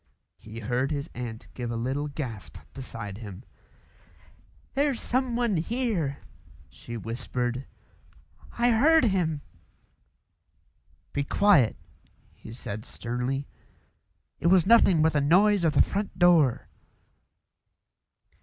He heard his aunt give a little gasp beside him. "There's someone here," she whispered; "I heard him." "Be quiet!" he said sternly. "It was nothing but the noise of the front door."